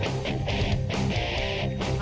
ไทยรัฐมวยไทยไฟเตอร์